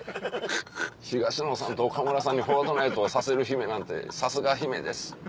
「東野さんと岡村さんに『フォートナイト』をさせる姫なんてさすが姫です！」。